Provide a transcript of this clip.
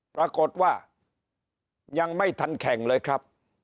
ปรากฏว่ายังไม่ทันแข่งเลยครับ